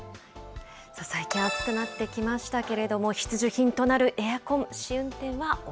最近暑くなってきましたけれども、必需品となるエアコン、試